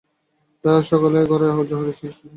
তাই আজ সকালেই ঘরে জহরি এসেছিল।